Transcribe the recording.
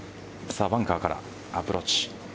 バンカーからアプローチ。